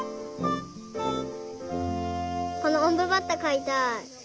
このおんぶバッタかいたい。